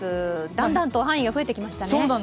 だんだんと範囲が増えてきましたね。